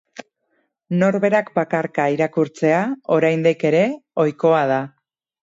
Norberak bakarka irakurtzea oraindik ere ohikoa da.